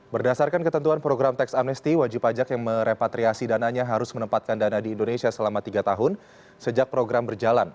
berdasarkan ketentuan program tax amnesti wajib pajak yang merepatriasi dananya harus menempatkan dana di indonesia selama tiga tahun sejak program berjalan